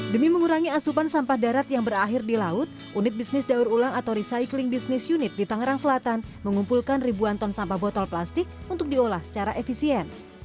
demi mengurangi asupan sampah darat yang berakhir di laut unit bisnis daur ulang atau recycling business unit di tangerang selatan mengumpulkan ribuan ton sampah botol plastik untuk diolah secara efisien